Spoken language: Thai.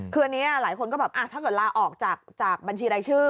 คืออันนี้หลายคนก็แบบถ้าเกิดลาออกจากบัญชีรายชื่อ